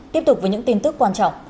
tiếp tục với những tin tức quan trọng